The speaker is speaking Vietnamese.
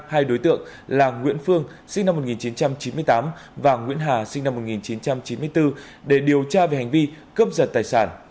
hai đối tượng là nguyễn phương sinh năm một nghìn chín trăm chín mươi tám và nguyễn hà sinh năm một nghìn chín trăm chín mươi bốn để điều tra về hành vi cướp giật tài sản